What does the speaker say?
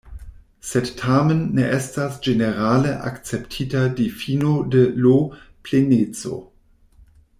Sed tamen ne estas ĝenerale akceptita difino de L-pleneco.